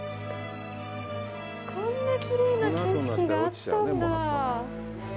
こんなきれいな景色があったんだ。